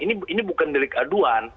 ini bukan delik aduan